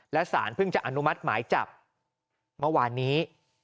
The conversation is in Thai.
และสารเพิ่งจะอนุมัติหมายจับเมื่อวานนี้